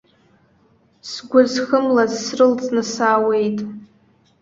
Сгәы зхымлаз срылҵны саауеит.